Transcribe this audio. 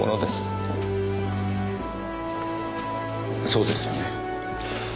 そうですよね。